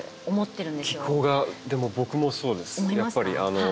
でも僕もそうです。